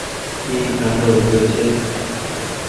اي گآنڊو هو گيو ڇي ۔